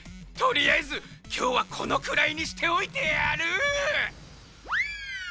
とりあえずきょうはこのくらいにしておいてやる！